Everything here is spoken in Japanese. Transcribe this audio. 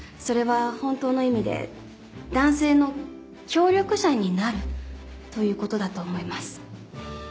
それは本当の意味で男性の協力者になるという事だと思います。